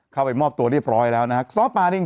เข้าไปมอบตัวเรียบร้อยแล้วนะครับ